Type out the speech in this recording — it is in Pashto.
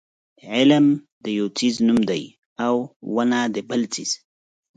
علم د یو څیز نوم دی او ونه د بل څیز.